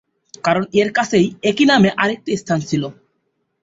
কারণ এর কাছেই একই নামে আরেকটি স্থান ছিল।